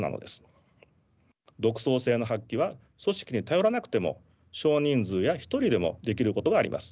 独創性の発揮は組織に頼らなくても少人数や一人でもできることがあります。